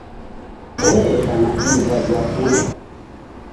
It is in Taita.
Oreka na iva ja kula.